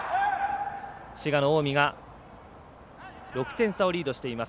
滋賀の近江が６点差をリードしています。